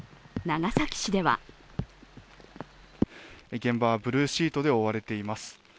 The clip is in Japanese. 長崎市では現場はブルーシートで覆われています。